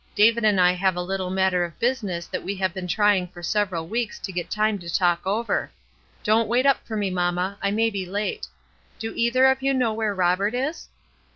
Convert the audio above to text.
David and I have a little matter of business that we have been trying for several weeks to get time to talk over. Don't wait up for me, mamma, I may be late. Do either of you know where Robert is?"